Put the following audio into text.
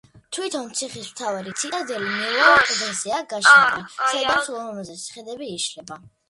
თვითონ ციხის მთავარი ციტადელი მიუვალ კლდეზეა გაშენებული, საიდანაც ულამაზესი ხედები იშლება.